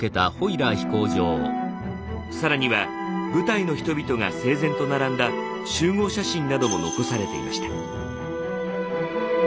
更には部隊の人々が整然と並んだ集合写真なども残されていました。